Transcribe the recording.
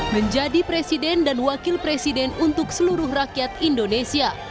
menjadi presiden dan wakil presiden untuk seluruh rakyat indonesia